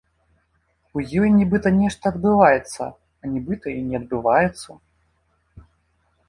У ёй нібыта нешта адбываецца, а нібыта і не адбываецца.